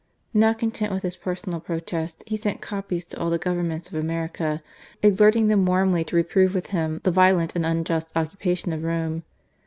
Not content with this personal protest, he sent copies to all the Governments of America, exhorting them warmly to reprove with him "the violent and unjust occupation of Rome."